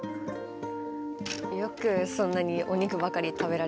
よくそんなにお肉ばかり食べられますね。